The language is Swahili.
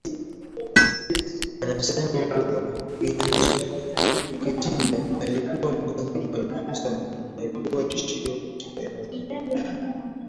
anasema kuwa Kinjeketile alikuwa mganga maarufu sana na alikuwa tishio katika eneo hili